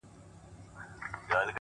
• بس هلک مي له بدیو توبه ګار کړ ,